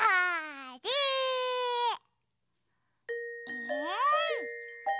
えい！